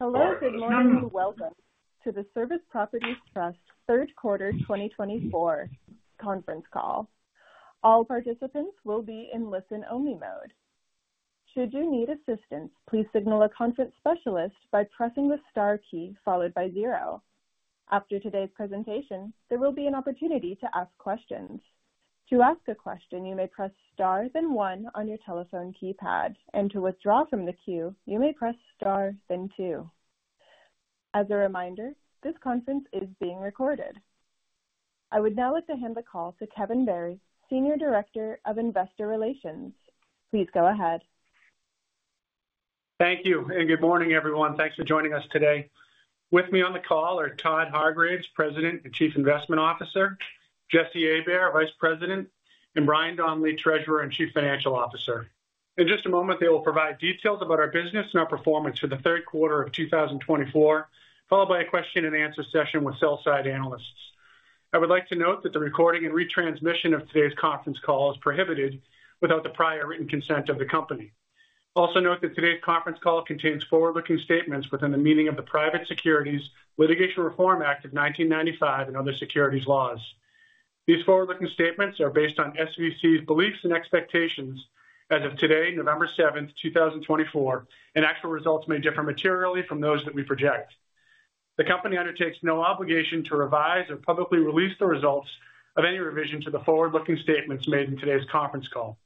Hello, good morning, and welcome to the Service Properties Trust third quarter 2024 conference call. All participants will be in listen-only mode. Should you need assistance, please signal a conference specialist by pressing the star key followed by zero. After today's presentation, there will be an opportunity to ask questions. To ask a question, you may press star, then one, on your telephone keypad, and to withdraw from the queue, you may press star, then two. As a reminder, this conference is being recorded. I would now like to hand the call to Kevin Barry, Senior Director of Investor Relations. Please go ahead. Thank you, and good morning, everyone. Thanks for joining us today. With me on the call are Todd Hargreaves, President and Chief Investment Officer, Jesse Abair, Vice President, and Brian Donley, Treasurer and Chief Financial Officer. In just a moment, they will provide details about our business and our performance for the third quarter of 2024, followed by a question-and-answer session with sell-side analysts. I would like to note that the recording and retransmission of today's conference call is prohibited without the prior written consent of the company. Also note that today's conference call contains forward-looking statements within the meaning of the Private Securities Litigation Reform Act of 1995 and other Securities laws. These forward-looking statements are based on SVC's beliefs and expectations as of today, November 7th, 2024, and actual results may differ materially from those that we project. The company undertakes no obligation to revise or publicly release the results of any revision to the forward-looking statements made in today's conference call.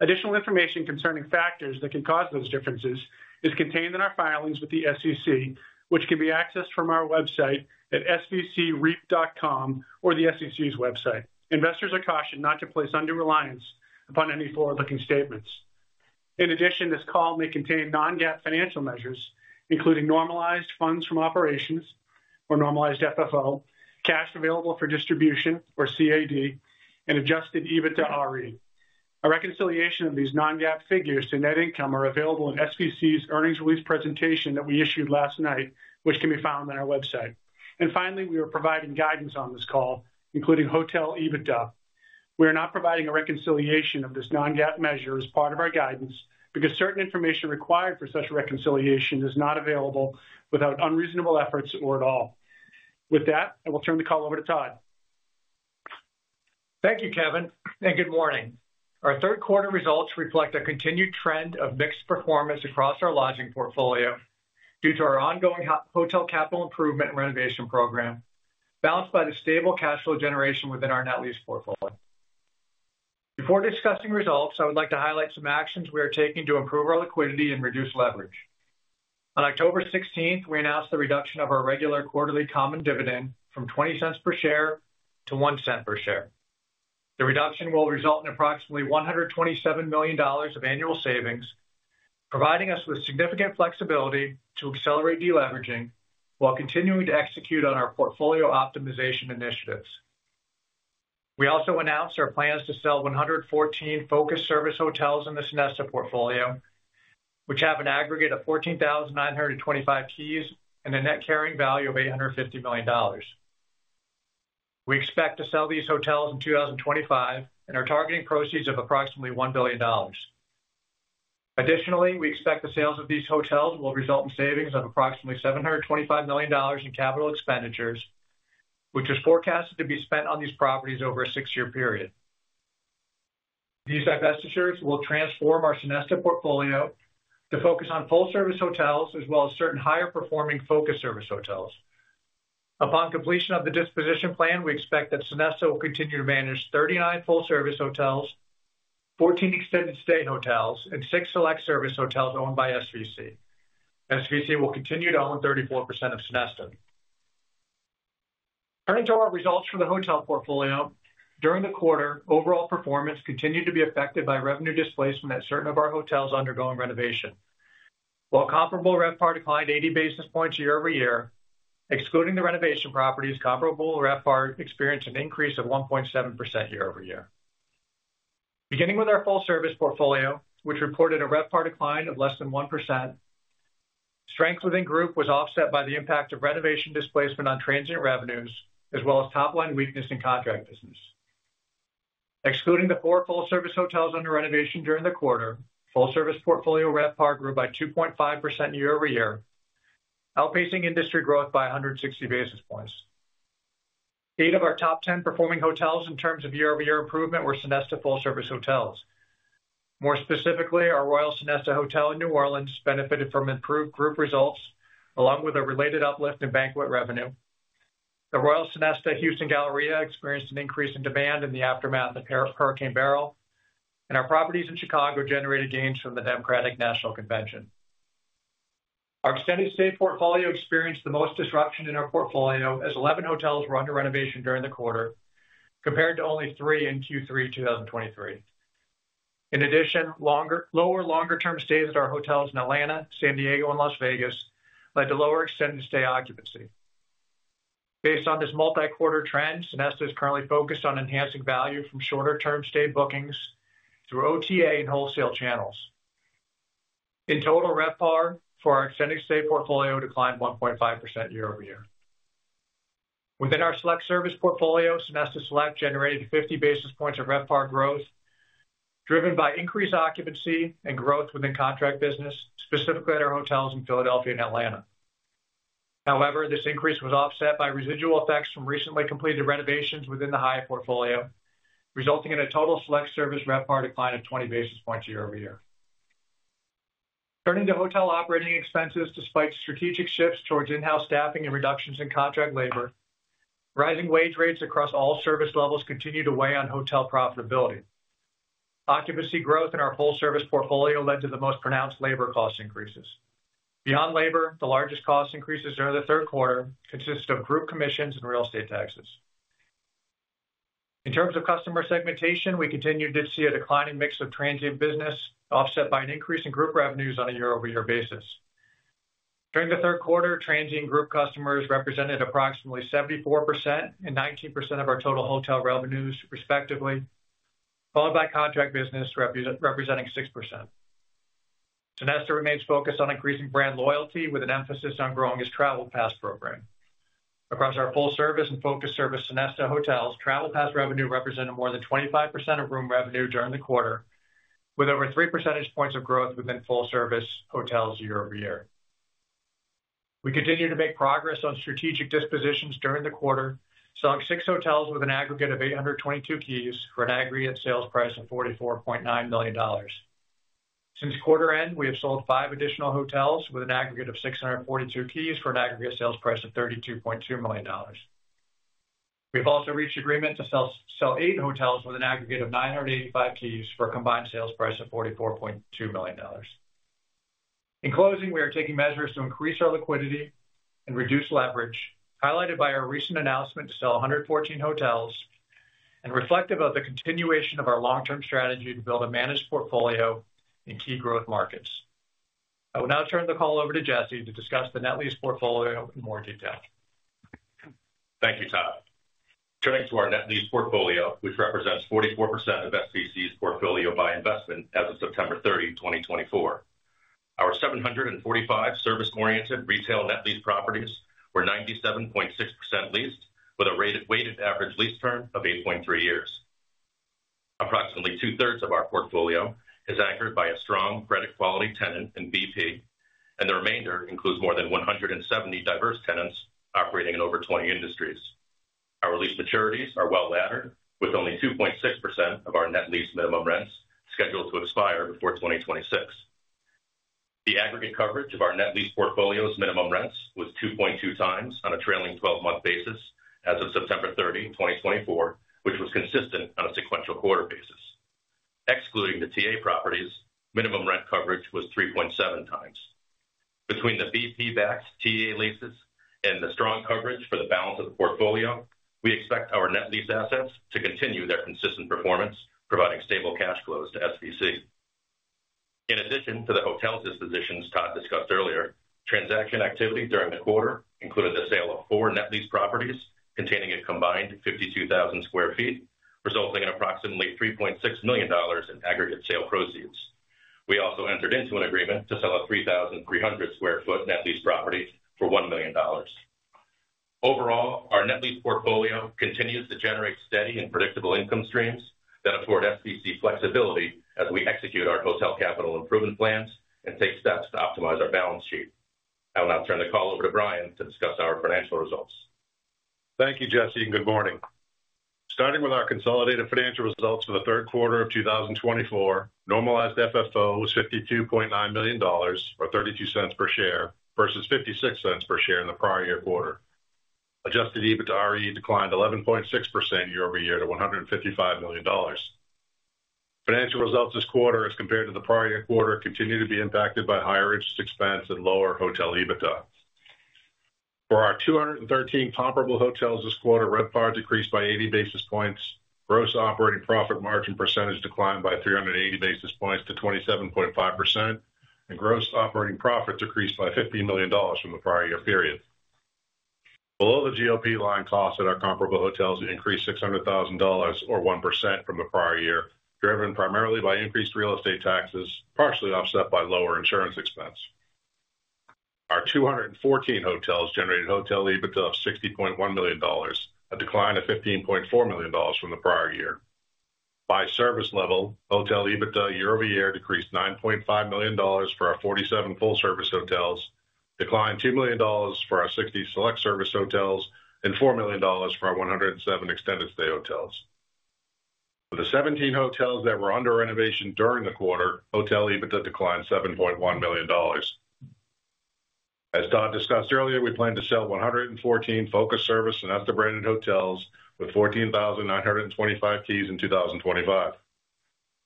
Additional information concerning factors that can cause those differences is contained in our filings with the SVC, which can be accessed from our website at svcreit.com or the SVC's website. Investors are cautioned not to place undue reliance upon any forward-looking statements. In addition, this call may contain non-GAAP financial measures, including normalized funds from operations or normalized FFO, cash available for distribution or CAD, and adjusted EBITDAre. A reconciliation of these non-GAAP figures to net income is available in SVC's earnings release presentation that we issued last night, which can be found on our website, and finally, we are providing guidance on this call, including hotel EBITDA. We are not providing a reconciliation of this non-GAAP measure as part of our guidance because certain information required for such a reconciliation is not available without unreasonable efforts or at all. With that, I will turn the call over to Todd. Thank you, Kevin, and good morning. Our third quarter results reflect a continued trend of mixed performance across our lodging portfolio due to our ongoing hotel capital improvement and renovation program, balanced by the stable cash flow generation within our net lease portfolio. Before discussing results, I would like to highlight some actions we are taking to improve our liquidity and reduce leverage. On October 16th, we announced the reduction of our regular quarterly common dividend from $0.20 per share to $0.01 per share. The reduction will result in approximately $127 million of annual savings, providing us with significant flexibility to accelerate deleveraging while continuing to execute on our portfolio optimization initiatives. We also announced our plans to sell 114 focused service hotels in the Sonesta portfolio, which have an aggregate of 14,925 keys and a net carrying value of $850 million. We expect to sell these hotels in 2025 and are targeting proceeds of approximately $1 billion. Additionally, we expect the sales of these hotels will result in savings of approximately $725 million in capital expenditures, which is forecasted to be spent on these properties over a six-year period. These divestitures will transform our Sonesta portfolio to focus on full-service hotels as well as certain higher-performing focused service hotels. Upon completion of the disposition plan, we expect that Sonesta will continue to manage 39 full-service hotels, 14 extended stay hotels, and six select service hotels owned by SVC. SVC will continue to own 34% of Sonesta. Turning to our results for the hotel portfolio, during the quarter, overall performance continued to be affected by revenue displacement at certain of our hotels undergoing renovation. While comparable RevPAR declined 80 basis points year-over-year, excluding the renovation properties, comparable RevPAR experienced an increase of 1.7% year-over-year. Beginning with our full-service portfolio, which reported a RevPAR decline of less than 1%, strength within group was offset by the impact of renovation displacement on transient revenues as well as top-line weakness in contract business. Excluding the four full-service hotels under renovation during the quarter, full-service portfolio RevPAR grew by 2.5% year-over-year, outpacing industry growth by 160 basis points. Eight of our top 10 performing hotels in terms of year-over-year improvement were Sonesta full-service hotels. More specifically, our Royal Sonesta hotel in New Orleans benefited from improved group results along with a related uplift in banquet revenue. The Royal Sonesta Houston Galleria experienced an increase in demand in the aftermath of Hurricane Beryl, and our properties in Chicago generated gains from the Democratic National Convention. Our extended stay portfolio experienced the most disruption in our portfolio as 11 hotels were under renovation during the quarter, compared to only three in Q3 2023. In addition, lower longer-term stays at our hotels in Atlanta, San Diego, and Las Vegas led to lower extended stay occupancy. Based on this multi-quarter trend, Sonesta is currently focused on enhancing value from shorter-term stay bookings through OTA and wholesale channels. In total, RevPAR for our extended stay portfolio declined 1.5% year-over-year. Within our select service portfolio, Sonesta Select generated 50 basis points of RevPAR growth driven by increased occupancy and growth within contract business, specifically at our hotels in Philadelphia and Atlanta. However, this increase was offset by residual effects from recently completed renovations within the Hyatt portfolio, resulting in a total select-service RevPAR decline of 20 basis points year-over-year. Turning to hotel operating expenses, despite strategic shifts towards in-house staffing and reductions in contract labor, rising wage rates across all service levels continue to weigh on hotel profitability. Occupancy growth in our full-service portfolio led to the most pronounced labor cost increases. Beyond labor, the largest cost increases during the third quarter consist of group commissions and real estate taxes. In terms of customer segmentation, we continued to see a declining mix of transient business, offset by an increase in group revenues on a year-over-year basis. During the third quarter, transient group customers represented approximately 74% and 19% of our total hotel revenues, respectively, followed by contract business representing 6%. Sonesta remains focused on increasing brand loyalty with an emphasis on growing its Travel Pass program. Across our full-service and focused service Sonesta hotels, Travel Pass revenue represented more than 25% of room revenue during the quarter, with over three percentage points of growth within full-service hotels year-over-year. We continue to make progress on strategic dispositions during the quarter, selling six hotels with an aggregate of 822 keys for an aggregate sales price of $44.9 million. Since quarter end, we have sold five additional hotels with an aggregate of 642 keys for an aggregate sales price of $32.2 million. We have also reached agreement to sell eight hotels with an aggregate of 985 keys for a combined sales price of $44.2 million. In closing, we are taking measures to increase our liquidity and reduce leverage, highlighted by our recent announcement to sell 114 hotels and reflective of the continuation of our long-term strategy to build a managed portfolio in key growth markets. I will now turn the call over to Jesse to discuss the net lease portfolio in more detail. Thank you, Todd. Turning to our net lease portfolio, which represents 44% of SVC's portfolio by investment as of September 30th, 2024. Our 745 service-oriented retail net lease properties were 97.6% leased, with a weighted average lease term of 8.3 years. Approximately two-thirds of our portfolio is anchored by a strong credit-quality tenant in BP, and the remainder includes more than 170 diverse tenants operating in over 20 industries. Our lease maturities are well laddered, with only 2.6% of our net lease minimum rents scheduled to expire before 2026. The aggregate coverage of our net lease portfolio's minimum rents was 2.2 times on a trailing 12-month basis as of September 30, 2024, which was consistent on a sequential quarter basis. Excluding the TA properties, minimum rent coverage was 3.7 times. Between the BP-backed TA leases and the strong coverage for the balance of the portfolio, we expect our net lease assets to continue their consistent performance, providing stable cash flows to SVC. In addition to the hotel dispositions Todd discussed earlier, transaction activity during the quarter included the sale of four net lease properties containing a combined 52,000 sq ft, resulting in approximately $3.6 million in aggregate sale proceeds. We also entered into an agreement to sell a 3,300 sq ft net lease property for $1 million. Overall, our net lease portfolio continues to generate steady and predictable income streams that afford SVC flexibility as we execute our hotel capital improvement plans and take steps to optimize our balance sheet. I will now turn the call over to Brian to discuss our financial results. Thank you, Jesse, and good morning. Starting with our consolidated financial results for the third quarter of 2024, normalized FFO was $52.9 million or $0.32 per share versus $0.56 per share in the prior year quarter. Adjusted EBITDAre declined 11.6% year-over-year to $155 million. Financial results this quarter, as compared to the prior year quarter, continue to be impacted by higher interest expense and lower hotel EBITDA. For our 213 comparable hotels this quarter, RevPAR decreased by 80 basis points. Gross operating profit margin percentage declined by 380 basis points to 27.5%, and gross operating profit decreased by $15 million from the prior year period. Below the GOP line costs at our comparable hotels increased $600,000 or 1% from the prior year, driven primarily by increased real estate taxes, partially offset by lower insurance expense. Our 214 hotels generated hotel EBITDA of $60.1 million, a decline of $15.4 million from the prior year. By service level, hotel EBITDA year-over-year decreased $9.5 million for our 47 full-service hotels, declined $2 million for our 60 select service hotels, and $4 million for our 107 extended stay hotels. Of the 17 hotels that were under renovation during the quarter, hotel EBITDA declined $7.1 million. As Todd discussed earlier, we plan to sell 114 focused service and Sonesta branded hotels with 14,925 keys in 2025.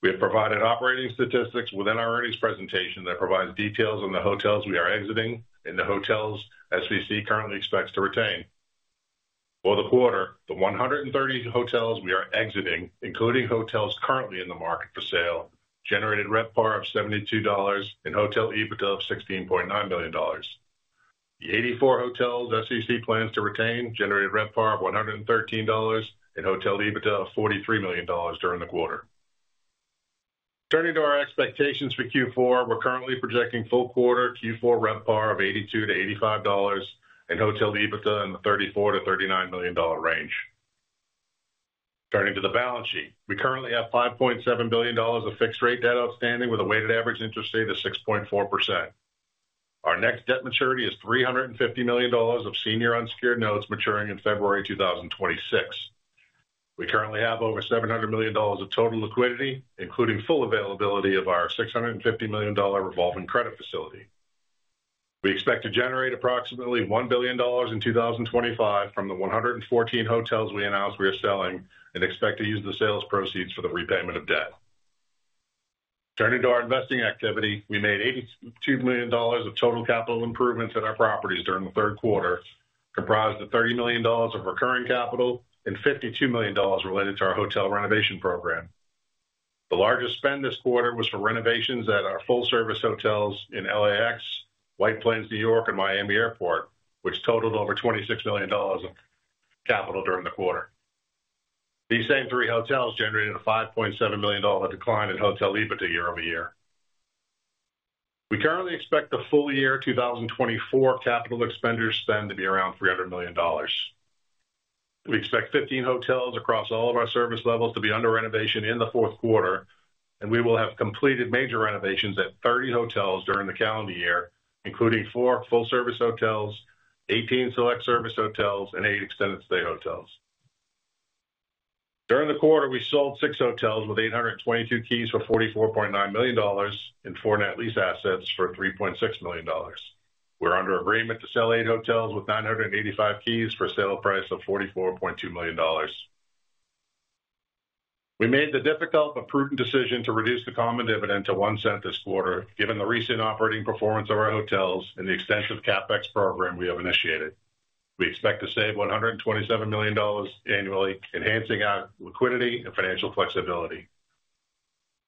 We have provided operating statistics within our earnings presentation that provides details on the hotels we are exiting and the hotels SVC currently expects to retain. For the quarter, the 130 hotels we are exiting, including hotels currently in the market for sale, generated RevPAR of $72 and hotel EBITDA of $16.9 million. The 84 hotels SVC plans to retain generated RevPAR of $113 and hotel EBITDA of $43 million during the quarter. Turning to our expectations for Q4, we're currently projecting full quarter Q4 RevPAR of $82 to $85 and hotel EBITDA in the $34-$39 million range. Turning to the balance sheet, we currently have $5.7 billion of fixed-rate debt outstanding with a weighted average interest rate of 6.4%. Our next debt maturity is $350 million of senior unsecured notes maturing in February 2026. We currently have over $700 million of total liquidity, including full availability of our $650 million revolving credit facility. We expect to generate approximately $1 billion in 2025 from the 114 hotels we announced we are selling and expect to use the sales proceeds for the repayment of debt. Turning to our investing activity, we made $82 million of total capital improvements at our properties during the third quarter, comprised of $30 million of recurring capital and $52 million related to our hotel renovation program. The largest spend this quarter was for renovations at our full-service hotels in LAX, White Plains, New York, and Miami Airport, which totaled over $26 million of capital during the quarter. These same three hotels generated a $5.7 million decline in hotel EBITDA year-over-year. We currently expect the full year 2024 capital expenditure spend to be around $300 million. We expect 15 hotels across all of our service levels to be under renovation in the fourth quarter, and we will have completed major renovations at 30 hotels during the calendar year, including four full-service hotels, 18 select service hotels, and eight extended stay hotels. During the quarter, we sold six hotels with 822 keys for $44.9 million and four net lease assets for $3.6 million. We're under agreement to sell eight hotels with 985 keys for a sale price of $44.2 million. We made the difficult but prudent decision to reduce the common dividend to $0.01 this quarter, given the recent operating performance of our hotels and the extensive CapEx program we have initiated. We expect to save $127 million annually, enhancing our liquidity and financial flexibility.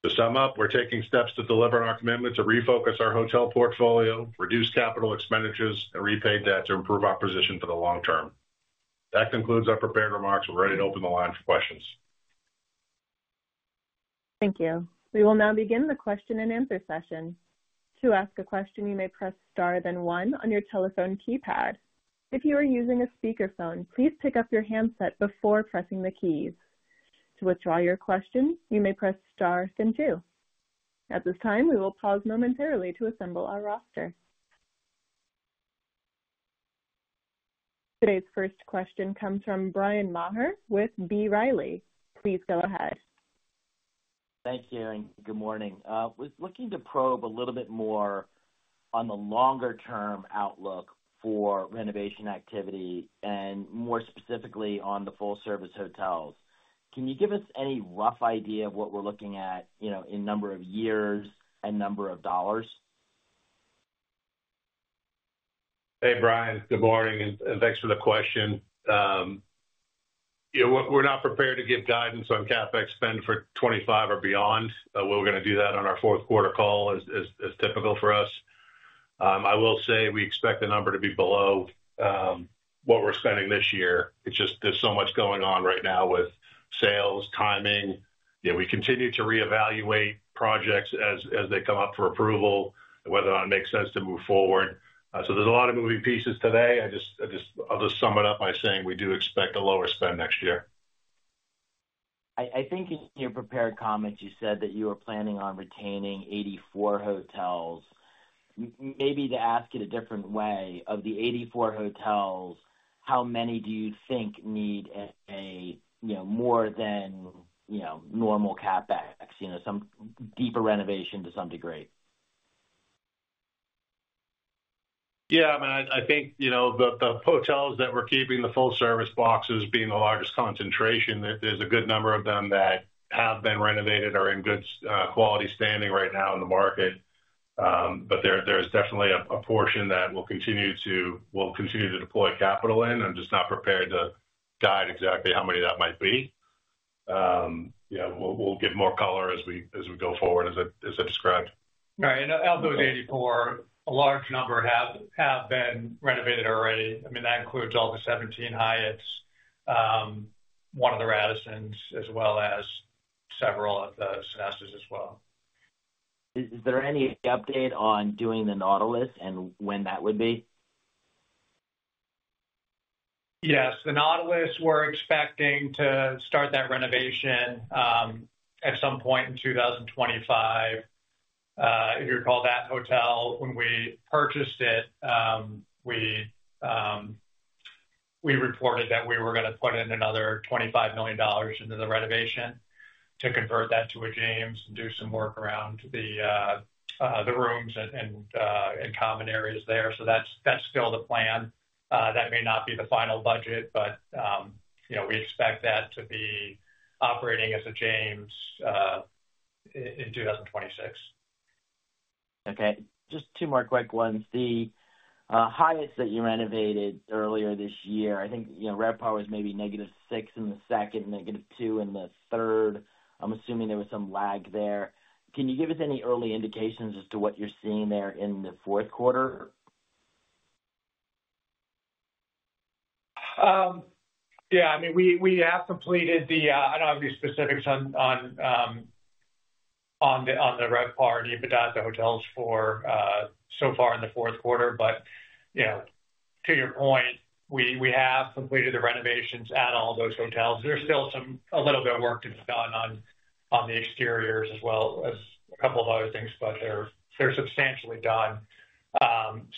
To sum up, we're taking steps to deliver on our commitment to refocus our hotel portfolio, reduce capital expenditures, and repay debt to improve our position for the long term. That concludes our prepared remarks. We're ready to open the line for questions. Thank you. We will now begin the question and answer session. To ask a question, you may press star then one on your telephone keypad. If you are using a speakerphone, please pick up your handset before pressing the keys. To withdraw your question, you may press star then two. At this time, we will pause momentarily to assemble our roster. Today's first question comes from Brian Maher with B. Riley. Please go ahead. Thank you and good morning. I was looking to probe a little bit more on the longer-term outlook for renovation activity and more specifically on the full-service hotels. Can you give us any rough idea of what we're looking at in number of years and number of dollars? Hey, Brian. Good morning and thanks for the question. We're not prepared to give guidance on CapEx spend for 2025 or beyond. We're going to do that on our fourth quarter call as typical for us. I will say we expect the number to be below what we're spending this year. It's just there's so much going on right now with sales, timing. We continue to reevaluate projects as they come up for approval, whether or not it makes sense to move forward. So there's a lot of moving pieces today. I'll just sum it up by saying we do expect a lower spend next year. I think in your prepared comments, you said that you were planning on retaining 84 hotels. Maybe to ask it a different way, of the 84 hotels, how many do you think need more than normal CapEx, some deeper renovation to some degree? Yeah, I mean, I think the hotels that we're keeping, the full-service ones being the largest concentration, there's a good number of them that have been renovated or in good quality standing right now in the market. But there's definitely a portion that we'll continue to deploy capital in. I'm just not prepared to guide exactly how many that might be. We'll get more color as we go forward, as I described. All right. And of those 84, a large number have been renovated already. I mean, that includes all the 17 Hyatts, one of the Radissons, as well as several of the Sonesta's as well. Is there any update on doing the Nautilus and when that would be? Yes. The Nautilus, we're expecting to start that renovation at some point in 2025. If you recall that hotel, when we purchased it, we reported that we were going to put in another $25 million into the renovation to convert that to The James and do some work around the rooms and common areas there. So that's still the plan. That may not be the final budget, but we expect that to be operating as The James in 2026. Okay. Just two more quick ones. The Hyatts that you renovated earlier this year, I think RevPAR was maybe negative 6% in the second, negative 2% in the third. I'm assuming there was some lag there. Can you give us any early indications as to what you're seeing there in the fourth quarter? Yeah. I mean, we have completed. I don't have any specifics on the RevPAR and EBITDA at the hotels for so far in the fourth quarter. But to your point, we have completed the renovations at all those hotels. There's still a little bit of work to be done on the exteriors as well as a couple of other things, but they're substantially done.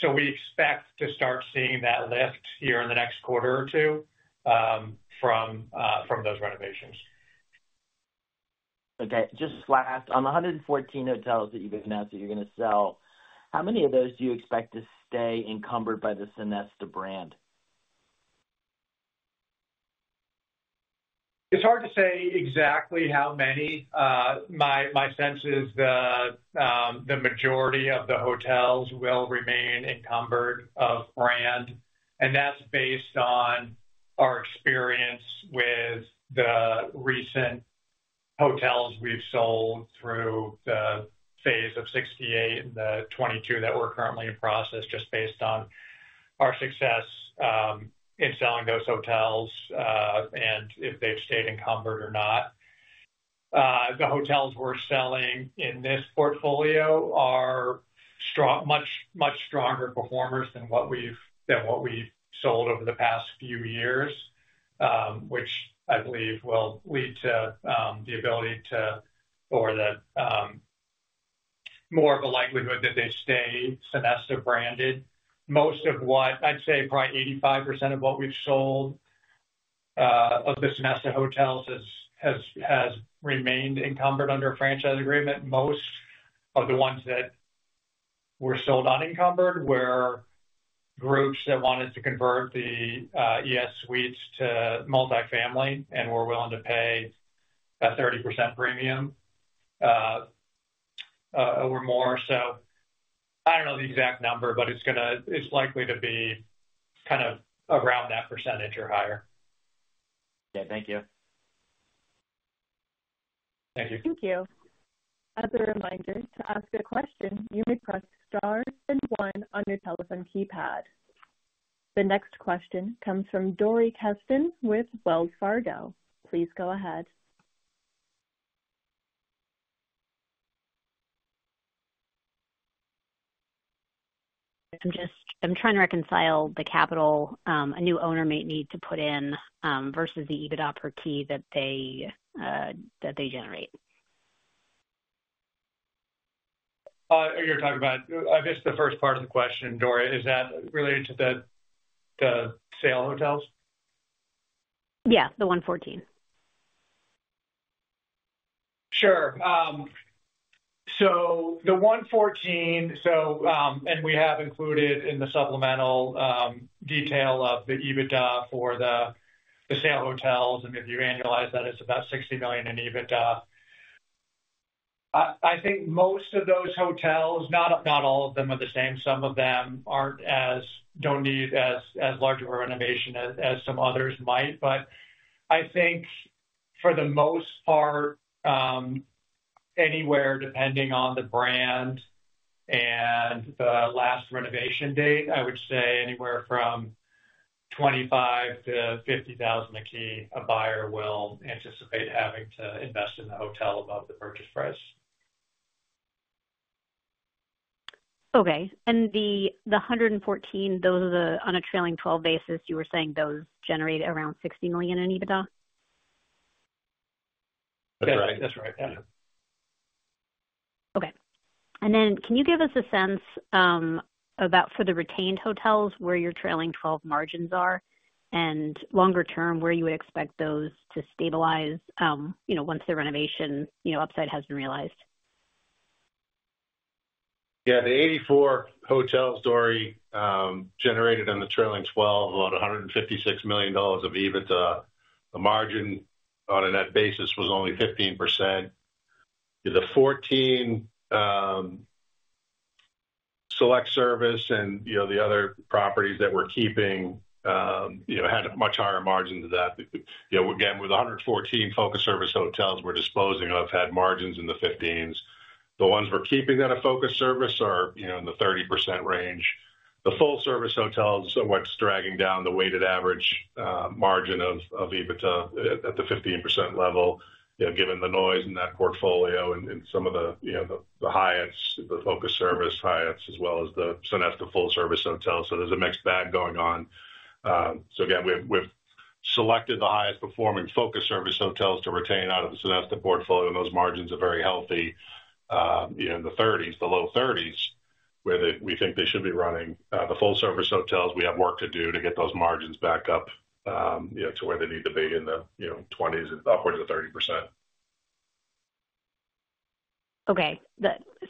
So we expect to start seeing that lift here in the next quarter or two from those renovations. Okay. Just last, on the 114 hotels that you've announced that you're going to sell, how many of those do you expect to stay encumbered by the Sonesta brand? It's hard to say exactly how many. My sense is the majority of the hotels will remain encumbered by brand. That's based on our experience with the recent hotels we've sold through the phase-out of 68 and the 22 that we're currently in the process of, just based on our success in selling those hotels and if they've stayed encumbered or not. The hotels we're selling in this portfolio are much, much stronger performers than what we've sold over the past few years, which I believe will lead to the ability to, or more of a likelihood that they stay Sonesta branded. Most of what I'd say, probably 85% of what we've sold of the Sonesta hotels has remained encumbered under a franchise agreement. Most of the ones that were sold unencumbered were groups that wanted to convert the ES Suites to multifamily and were willing to pay a 30% premium or more. So I don't know the exact number, but it's likely to be kind of around that percentage or higher. Yeah. Thank you. Thank you. Thank you. As a reminder, to ask a question, you may press star then one on your telephone keypad. The next question comes from Dori Kesten with Wells Fargo. Please go ahead. I'm trying to reconcile the capital a new owner might need to put in versus the EBITDA per key that they generate. You're talking about, I guess, the first part of the question, Dori, is that related to the sold hotels? Yeah, the 114. Sure. So the 114, and we have included in the supplemental detail of the EBITDA for the sale hotels. And if you annualize that, it's about $60 million in EBITDA. I think most of those hotels, not all of them are the same. Some of them don't need as large of a renovation as some others might. But I think for the most part, anywhere depending on the brand and the last renovation date, I would say anywhere from 25-50 thousand a key, a buyer will anticipate having to invest in the hotel above the purchase price. Okay. And the 114, those are on a trailing 12 basis, you were saying those generate around $60 million in EBITDA? That's right. That's right. Yeah. Okay, and then can you give us a sense about, for the retained hotels, where your trailing 12 margins are and longer term, where you would expect those to stabilize once the renovation upside has been realized? Yeah. The 84 hotels, Dory, generated on the trailing 12 about $156 million of EBITDA. The margin on a net basis was only 15%. The 14 select service and the other properties that we're keeping had much higher margins of that. Again, with 114 focused service we're disposing of, had margins in the 15s. The ones we're keeping that are focused service are in the 30% range. The full-service hotels, what's dragging down the weighted average margin of EBITDA at the 15% level, given the noise in that portfolio and some of the Hyatts, the focused service Hyatts, as well as the Sonesta full-service hotels. So there's a mixed bag going on. So again, we've selected the highest performing focused service hotels to retain out of the Sonesta portfolio, and those margins are very healthy in the 30s, the low 30s, where we think they should be running. The full-service hotels, we have work to do to get those margins back up to where they need to be in the 20s and upwards of 30%. Okay.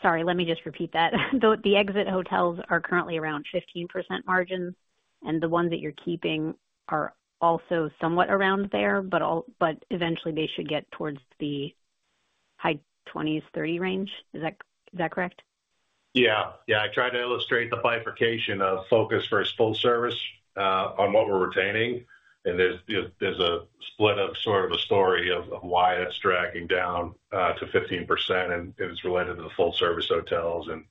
Sorry, let me just repeat that. The exit hotels are currently around 15% margins, and the ones that you're keeping are also somewhat around there, but eventually they should get towards the high 20s, 30 range. Is that correct? Yeah. Yeah. I tried to illustrate the bifurcation of focus versus full-service on what we're retaining, and there's a split of sort of a story of why that's dragging down to 15%, and it's related to the full-service hotels and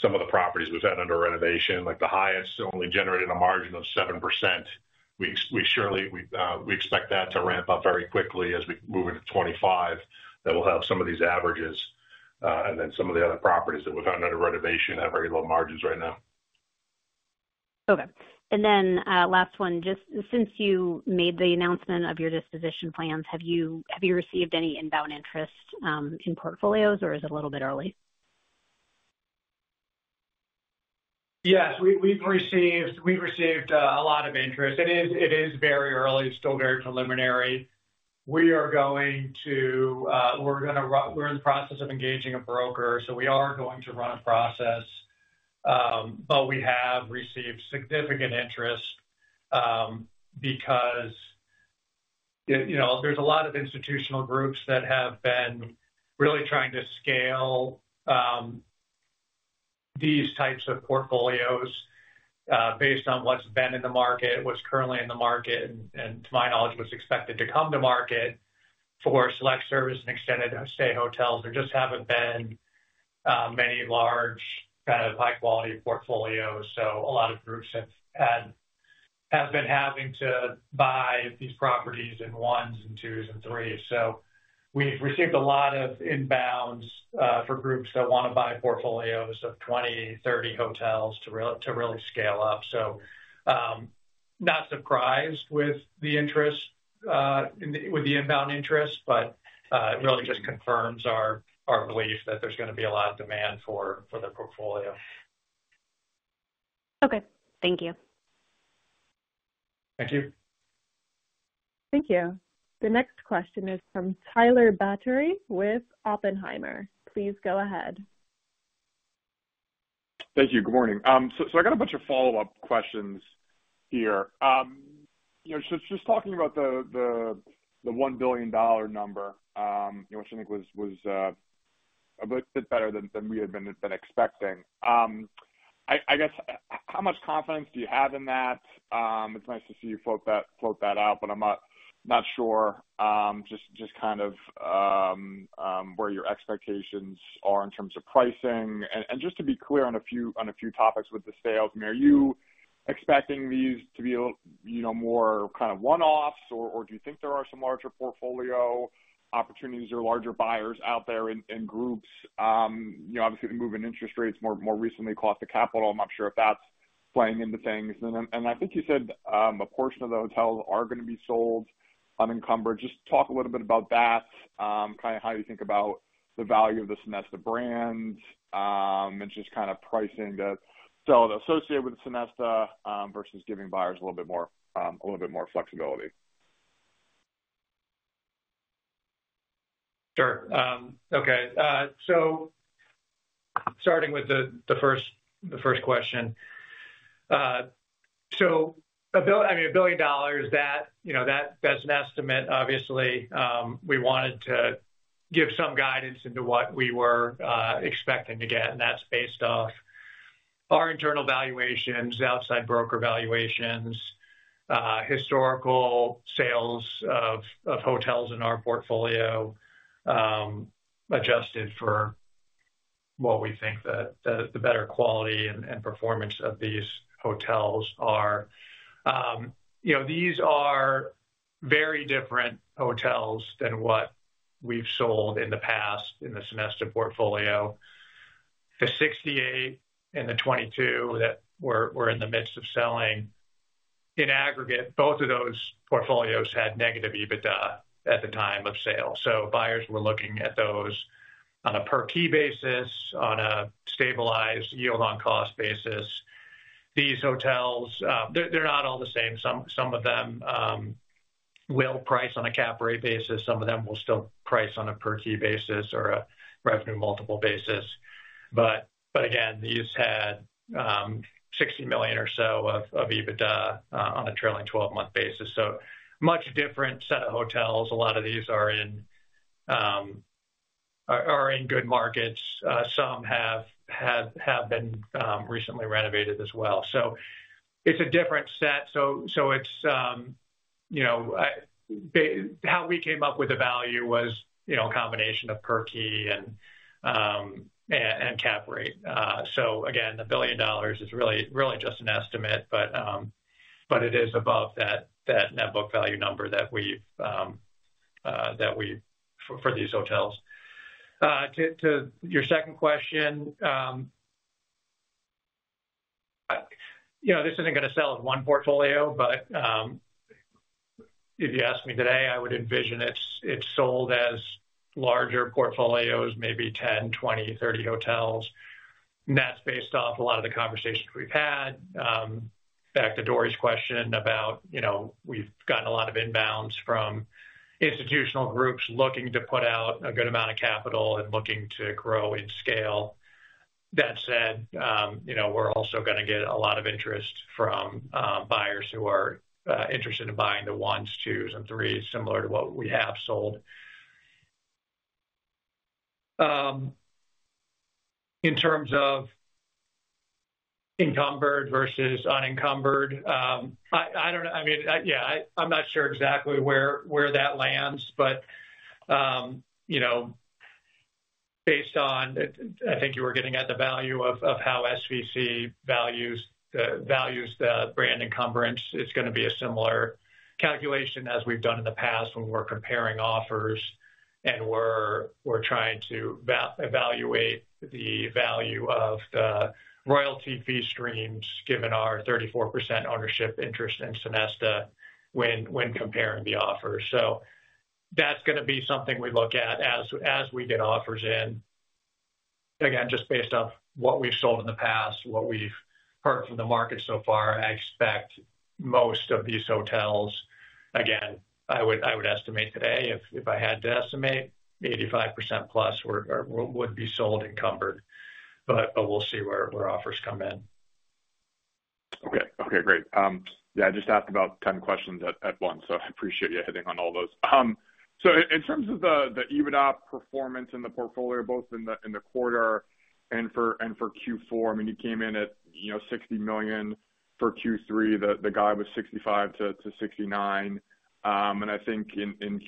some of the properties we've had under renovation. The Hyatts only generated a margin of 7%. We expect that to ramp up very quickly as we move into 2025 that will have some of these averages, and then some of the other properties that we've had under renovation have very low margins right now. Okay. And then last one, just since you made the announcement of your disposition plans, have you received any inbound interest in portfolios, or is it a little bit early? Yes. We've received a lot of interest. It is very early. It's still very preliminary. We are going to - we're in the process of engaging a broker, so we are going to run a process. But we have received significant interest because there's a lot of institutional groups that have been really trying to scale these types of portfolios based on what's been in the market, what's currently in the market, and to my knowledge, what's expected to come to market for select service and extended stay hotels. There just haven't been many large kind of high-quality portfolios. So a lot of groups have been having to buy these properties in ones and twos and threes. So we've received a lot of inbounds for groups that want to buy portfolios of 20, 30 hotels to really scale up. So not surprised with the inbound interest, but it really just confirms our belief that there's going to be a lot of demand for the portfolio. Okay. Thank you. Thank you. Thank you. The next question is from Tyler Batory with Oppenheimer. Please go ahead. Thank you. Good morning. So I got a bunch of follow-up questions here. Just talking about the $1 billion number, which I think was a bit better than we had been expecting. I guess, how much confidence do you have in that? It's nice to see you float that out, but I'm not sure just kind of where your expectations are in terms of pricing. And just to be clear on a few topics with the sales, are you expecting these to be more kind of one-offs, or do you think there are some larger portfolio opportunities or larger buyers out there in groups? Obviously, the move in interest rates more recently cost of capital. I'm not sure if that's playing into things. And I think you said a portion of the hotels are going to be sold unencumbered. Just talk a little bit about that, kind of how you think about the value of the Sonesta brand and just kind of pricing that's associated with Sonesta versus giving buyers a little bit more flexibility. Sure. Okay. So starting with the first question. So I mean, $1 billion, that's an estimate. Obviously, we wanted to give some guidance into what we were expecting to get, and that's based off our internal valuations, outside broker valuations, historical sales of hotels in our portfolio adjusted for what we think the better quality and performance of these hotels are. These are very different hotels than what we've sold in the past in the Sonesta portfolio. The 68 and the 22 that we're in the midst of selling, in aggregate, both of those portfolios had negative EBITDA at the time of sale. So buyers were looking at those on a per key basis, on a stabilized yield on cost basis. These hotels, they're not all the same. Some of them will price on a cap rate basis. Some of them will still price on a per key basis or a revenue multiple basis. But again, these had 60 million or so of EBITDA on a trailing 12-month basis. So a much different set of hotels. A lot of these are in good markets. Some have been recently renovated as well. So it's a different set. So how we came up with the value was a combination of per key and cap rate. So again, the $1 billion is really just an estimate, but it is above that net book value number that we have for these hotels. To your SVCond question, this isn't going to sell in one portfolio, but if you asked me today, I would envision it sold as larger portfolios, maybe 10, 20, 30 hotels. And that's based off a lot of the conversations we've had. Back to Dory's question about we've gotten a lot of inbounds from institutional groups looking to put out a good amount of capital and looking to grow in scale. That said, we're also going to get a lot of interest from buyers who are interested in buying the ones, twos, and threes, similar to what we have sold. In terms of encumbered versus unencumbered, I don't know. I mean, yeah, I'm not sure exactly where that lands, but based on, I think you were getting at the value of how SVC values the brand encumbrance, it's going to be a similar calculation as we've done in the past when we're comparing offers and we're trying to evaluate the value of the royalty fee streams given our 34% ownership interest in Sonesta when comparing the offers. So that's going to be something we look at as we get offers in. Again, just based off what we've sold in the past, what we've heard from the market so far, I expect most of these hotels, again, I would estimate today, if I had to estimate, 85%+ would be sold encumbered. But we'll see where offers come in. Okay. Okay. Great. Yeah. I just asked about 10 questions at once, so I appreciate you hitting on all those. So in terms of the EBITDA performance in the portfolio, both in the quarter and for Q4, I mean, you came in at $60 million for Q3. The guidance was $65 million to $69 million. And I think in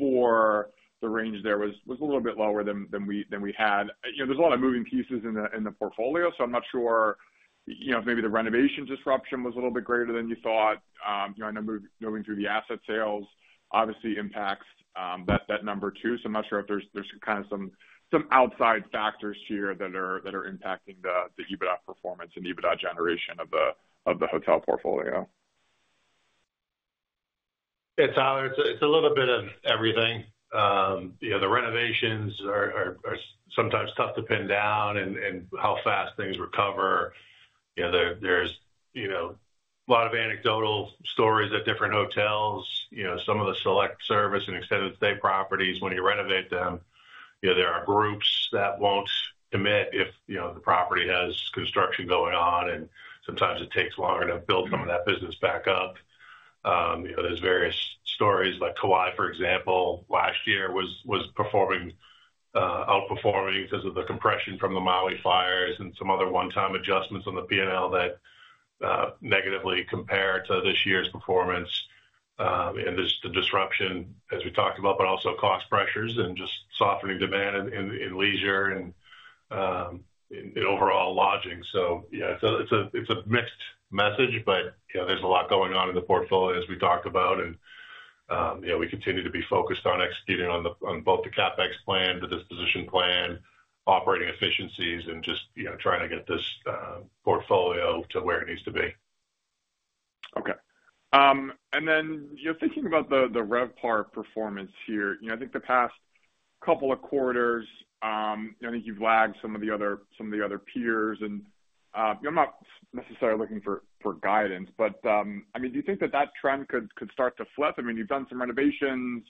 Q4, the range there was a little bit lower than we had. There's a lot of moving parts in the portfolio, so I'm not sure if maybe the renovation disruption was a little bit greater than you thought. I know moving through the asset sales obviously impacts that number too. So I'm not sure if there's kind of some outside factors here that are impacting the EBITDA performance and EBITDA generation of the hotel portfolio. Yeah. Tyler, it's a little bit of everything. The renovations are sometimes tough to pin down and how fast things recover. There's a lot of anecdotal stories at different hotels. Some of the Select Service and extended stay properties, when you renovate them, there are groups that won't commit if the property has construction going on, and sometimes it takes longer to build some of that business back up. There's various stories like Kauai, for example, last year was outperforming because of the compression from the Maui fires and some other one-time adjustments on the P&L that negatively compare to this year's performance, and there's the disruption, as we talked about, but also cost pressures and just softening demand in leisure and overall lodging, so it's a mixed message, but there's a lot going on in the portfolio, as we talked about. We continue to be focused on executing on both the CapEx plan, the disposition plan, operating efficiencies, and just trying to get this portfolio to where it needs to be. Okay. Then thinking about the RevPAR performance here, I think the past couple of quarters, I think you've lagged some of the other peers. I'm not necessarily looking for guidance, but I mean, do you think that that trend could start to flip? I mean, you've done some renovations,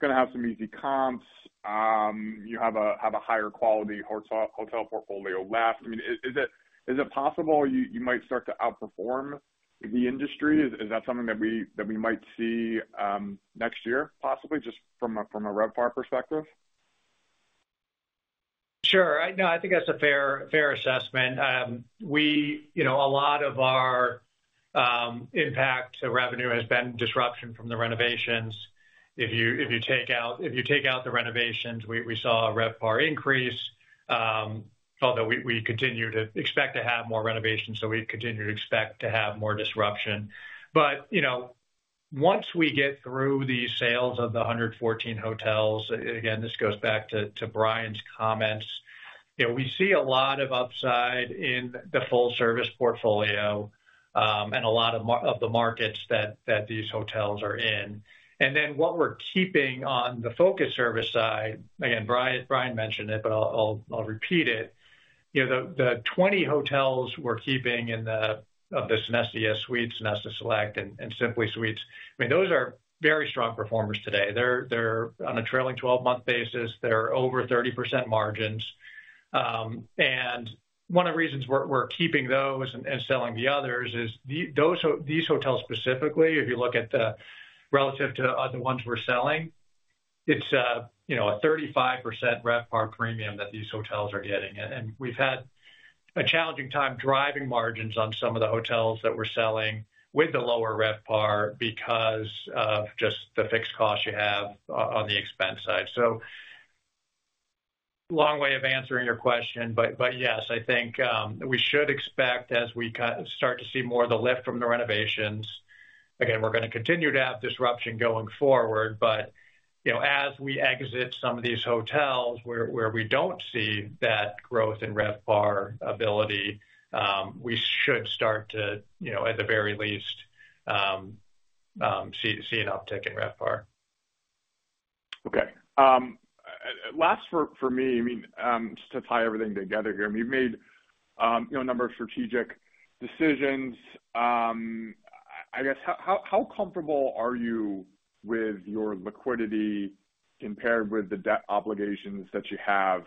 going to have some easy comps. You have a higher quality hotel portfolio left. I mean, is it possible you might start to outperform the industry? Is that something that we might see next year, possibly, just from a RevPAR perspective? Sure. No, I think that's a fair assessment. A lot of our impact to revenue has been disruption from the renovations. If you take out the renovations, we saw a RevPAR increase, although we continue to expect to have more renovations, so we continue to expect to have more disruption. But once we get through these sales of the 114 hotels, again, this goes back to Brian's comments, we see a lot of upside in the full-service portfolio and a lot of the markets that these hotels are in. And then what we're keeping on the focused service side, again, Brian mentioned it, but I'll repeat it. The 20 hotels we're keeping of the Sonesta ES Suites, Sonesta Select, and Sonesta Simply Suites, I mean, those are very strong performers today. They're on a trailing 12-month basis. They're over 30% margins. And one of the reasons we're keeping those and selling the others is these hotels specifically, if you look at the relative to the ones we're selling, it's a 35% RevPAR premium that these hotels are getting. And we've had a challenging time driving margins on some of the hotels that we're selling with the lower RevPAR because of just the fixed cost you have on the expense side. So long way of answering your question, but yes, I think we should expect as we start to see more of the lift from the renovations. Again, we're going to continue to have disruption going forward, but as we exit some of these hotels where we don't see that growth in RevPAR ability, we should start to, at the very least, see an uptick in RevPAR. Okay. Last for me, I mean, just to tie everything together here, I mean, you've made a number of strategic decisions. I guess, how comfortable are you with your liquidity compared with the debt obligations that you have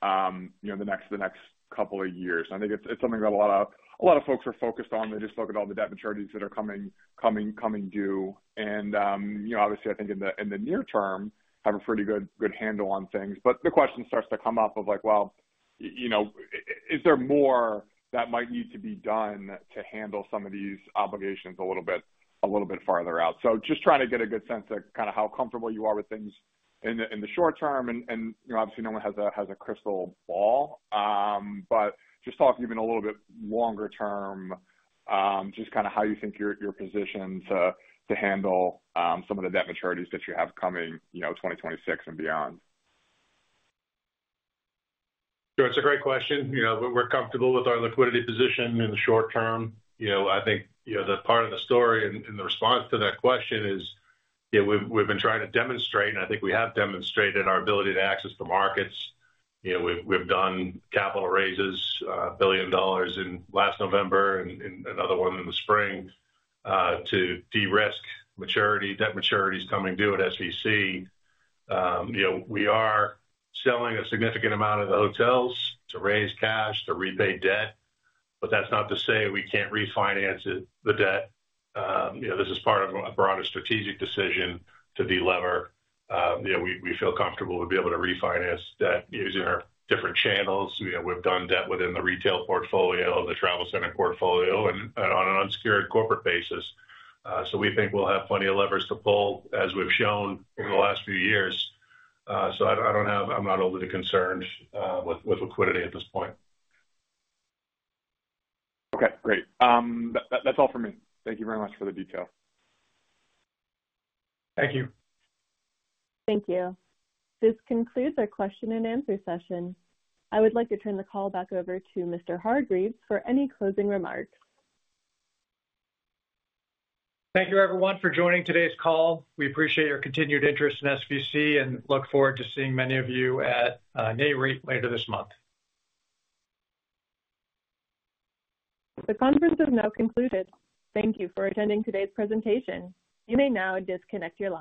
the next couple of years? I think it's something that a lot of folks are focused on. They just look at all the debt maturities that are coming due, and obviously, I think in the near term, have a pretty good handle on things, but the question starts to come up of like, well, is there more that might need to be done to handle some of these obligations a little bit farther out, so just trying to get a good sense of kind of how comfortable you are with things in the short term. Obviously, no one has a crystal ball, but just talk even a little bit longer term, just kind of how you think your position to handle some of the debt maturities that you have coming 2026 and beyond? That's a great question. We're comfortable with our liquidity position in the short term. I think the part of the story in the response to that question is we've been trying to demonstrate, and I think we have demonstrated our ability to access the markets. We've done capital raises, $1 billion in last November and another one in the spring to de-risk maturity, debt maturities coming due at SVC. We are selling a significant amount of the hotels to raise cash to repay debt, but that's not to say we can't refinance the debt. This is part of a broader strategic decision to deliver. We feel comfortable. We'll be able to refinance debt using our different channels. We've done debt within the retail portfolio, the travel center portfolio, and on an unSVCured corporate basis. So we think we'll have plenty of levers to pull as we've shown over the last few years. So I'm not overly concerned with liquidity at this point. Okay. Great. That's all for me. Thank you very much for the details. Thank you. Thank you. This concludes our question and answer session. I would like to turn the call back over to Mr. Hargreaves for any closing remarks. Thank you, everyone, for joining today's call. We appreciate your continued interest in SVC and look forward to seeing many of you at Nareit later this month. The conference is now concluded. Thank you for attending today's presentation. You may now disconnect your.